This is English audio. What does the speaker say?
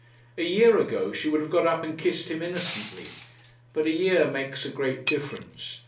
A year ago she would have got up and kissed him innocently; but a year makes a great difference.